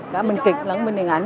cả bên kịch lẫn bên điện ảnh